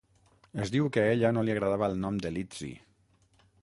Es diu que a ella no li agradava el nom de Lizzie.